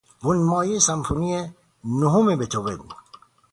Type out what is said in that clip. بنمایهی سمفونی نهم بتهوون